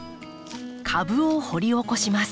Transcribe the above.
株を掘り起こします。